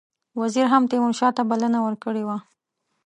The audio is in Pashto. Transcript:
وزیر هم تیمورشاه ته بلنه ورکړې وه.